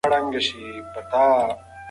هغه له ما څخه تکراري پوښتنه کوي.